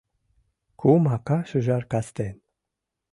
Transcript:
Кум ака-шӱжар кастен